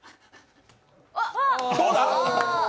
どうだ？